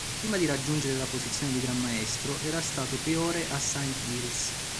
Prima di raggiungere la posizione di Gran Maestro, era stato Priore a Saint-Gilles.